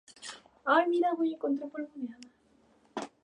Inició su carrera militar durante la guerra de Independencia.